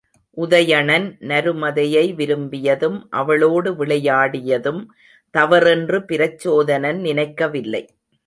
உதயணன் நருமதையை விரும்பியதும், அவளோடு விளையாடியதும் தவறென்று பிரச்சோதனன் நினைக்கவில்லை.